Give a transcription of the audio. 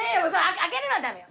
開けるのは駄目よ。